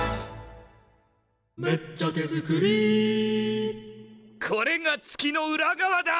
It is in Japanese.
「めっちゃ手作り」これが月の裏側だ！